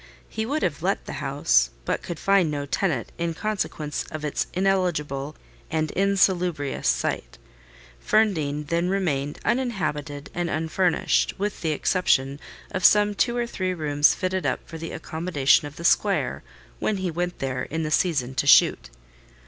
He would have let the house, but could find no tenant, in consequence of its ineligible and insalubrious site. Ferndean then remained uninhabited and unfurnished, with the exception of some two or three rooms fitted up for the accommodation of the squire when he went there in the season to shoot.